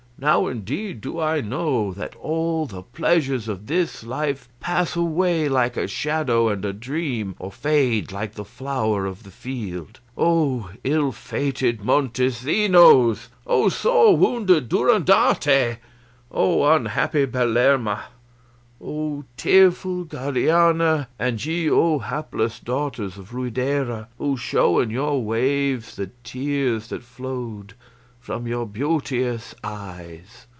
Now indeed do I know that all the pleasures of this life pass away like a shadow and a dream, or fade like the flower of the field. O ill fated Montesinos! O sore wounded Durandarte! O unhappy Belerma! O tearful Guadiana, and ye O hapless daughters of Ruidera who show in your waves the tears that flowed from your beauteous eyes!"